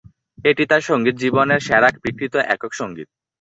এটি তার সঙ্গীত জীবনের সেরা বিক্রিত একক সঙ্গীত।